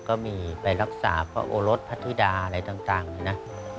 ก็มีไปรักษาพระโอรสพัทธิดาอะไรต่างนี่นะ